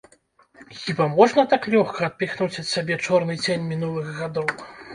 Хіба можна так лёгка адпіхнуць ад сябе чорны цень мінулых гадоў?